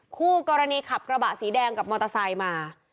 คู่กรณีขับกระบะสีแดงกับมอเตอร์ไซค์มา